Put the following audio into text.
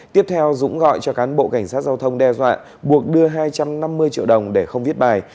tiếp theo dũng gọi cho cán bộ cảnh sát giao thông đe dọa buộc đưa hai trăm năm mươi triệu đồng để không viết bài